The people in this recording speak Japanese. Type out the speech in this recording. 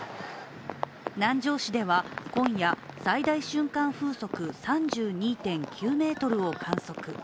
南城市では今夜、最大瞬間風速３２．９メートルを観測。